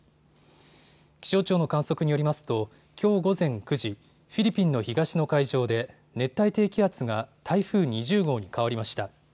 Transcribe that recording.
気象庁の観測によりますときょう午前９時、フィリピンの東の海上で熱帯低気圧が台風２０号に変わりました。